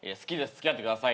付き合ってください。